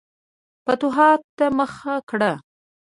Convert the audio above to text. فتوحاتو ته مخه کړه.